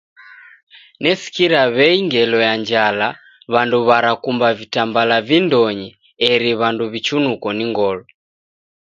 Nesikira wei ngelo ya njala, wandu warakumba vitambala vindonyi eri wandu wichunuko ni ngolo.